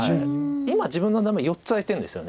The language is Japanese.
今自分のダメ４つ空いてるんですよね。